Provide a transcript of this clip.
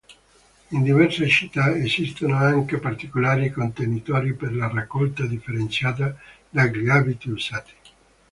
In diverse città esistono anche particolari contenitori per la raccolta differenziata dagli abiti usati.